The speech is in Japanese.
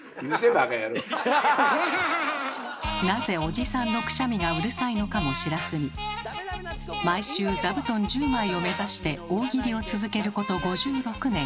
なぜおじさんのくしゃみがうるさいのかも知らずに毎週座布団１０枚を目指して大喜利を続けること５６年。